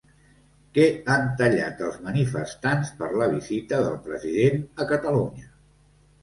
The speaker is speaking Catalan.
Què han tallat els manifestants per la visita del president a Catalunya?